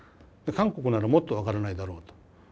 韓国ならもっと分からないだろうと。